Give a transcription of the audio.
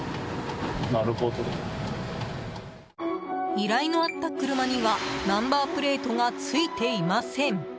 依頼のあった車にはナンバープレートが付いていません。